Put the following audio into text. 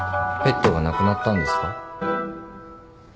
ペットが亡くなったんですか？